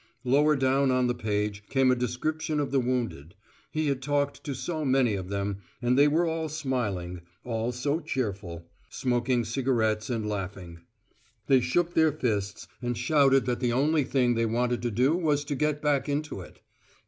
Lower down on the page came a description of the wounded; he had talked to so many of them, and they were all smiling, all so cheerful; smoking cigarettes and laughing. They shook their fists, and shouted that the only thing they wanted to do was to get back into it!